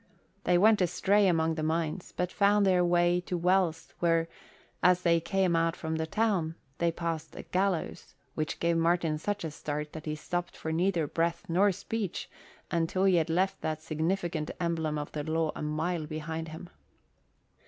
They went astray among the mines but found their way to Wells where, as they came out from the town, they passed a gallows, which gave Martin such a start that he stopped for neither breath nor speech until he had left that significant emblem of the law a mile behind him.